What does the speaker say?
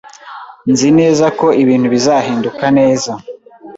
Nzi neza ko ibintu bizahinduka neza